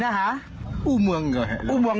ที่ไหนที่ไหนที่ไหน